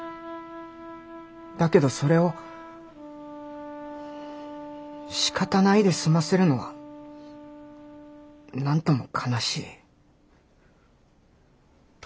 だけどそれをしかたないで済ませるのはなんとも悲しい。